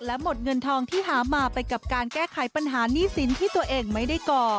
และหมดเงินทองที่หามาไปกับการแก้ไขปัญหานี่สินที่ตัวเองไม่ได้ก่อ